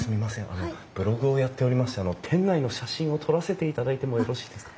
あのブログをやっておりまして店内の写真を撮らせていただいてもよろしいですか？